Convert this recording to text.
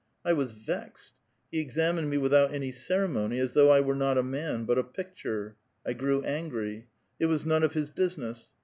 1 was vexed ; he examined me without any cere mony, as though I were not a man, but a picture : I grew angry. It was none of his business.